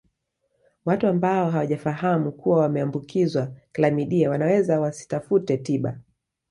Watu ambao hawajafahamu kuwa wameambukizwa klamidia wanaweza wasitafute tiba